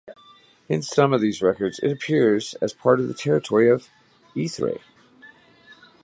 In some of these records it appears as part of the territory of Erythrae.